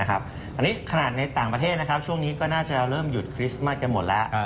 อันนี้ขนาดในต่างประเทศช่วงนี้ก็น่าจะเริ่มหยุดคริสต์มัสกันหมดแล้ว